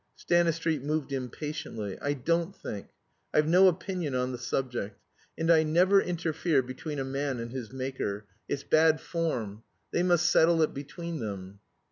Stanistreet moved impatiently. "I don't think. I've no opinion on the subject. And I never interfere between a man and his Maker it's bad form. They must settle it between them."